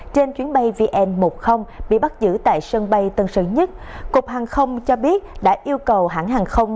trên chuyến bay vn một mươi bị bắt giữ tại sân bay tân sơn nhất cục hàng không cho biết đã yêu cầu hãng hàng không